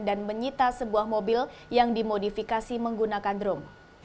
dan menyita sebuah mobil yang dimodifikasi menggunakan drum